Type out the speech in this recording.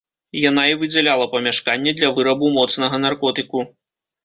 Яна і выдзяляла памяшканне для вырабу моцнага наркотыку.